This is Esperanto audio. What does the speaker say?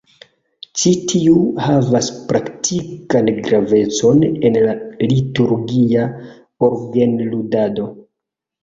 Ĉi tiu havas praktikan gravecon en la liturgia orgenludado.